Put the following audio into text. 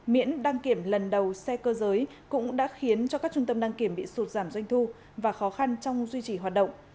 miễn đăng kiểm lần đầu xe cơ giới cũng đã khiến cho các trung tâm đăng kiểm bị sụt giảm doanh thu và khó khăn trong duy trì hoạt động